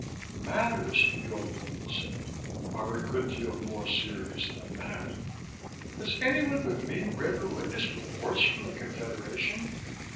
"Matters," the old woman said, "are a good deal more serious than that. Has anyone but me read the latest reports from the Confederation?"